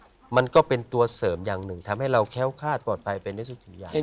ผมคิดว่าทำดีมันก็เป็นตัวเสริมอย่างหนึ่งทำให้เราแค้วคาดปลอดภัยไปในสุจริงอย่างนั้น